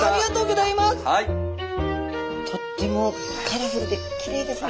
とってもカラフルできれいですね。